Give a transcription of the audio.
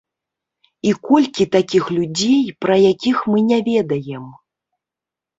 І колькі такіх людзей, пра якіх мы не ведаем?